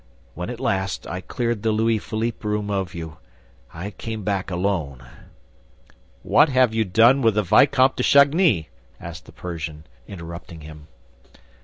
When, at last, I cleared the Louis Philippe room of you, I came back alone ..." "What have you done with the Vicomte de Chagny?" asked the Persian, interrupting him.